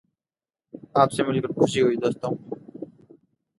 Percy comes but remains hidden in the shadows, keeping his identity concealed.